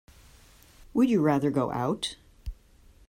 Would you rather go out?